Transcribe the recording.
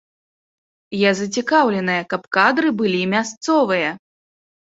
Я зацікаўленая, каб кадры былі мясцовыя.